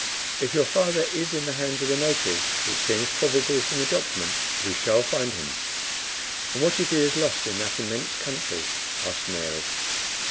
"If your father is in the hands of the natives, which seems probable from the document, we shall find him." "And what if he is lost in that immense country?" asked Mary.